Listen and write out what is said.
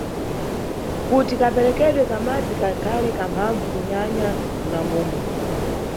Kuti kaperekedwe ka madzi kakhale kamphambvu kunyanya kuna mbumba.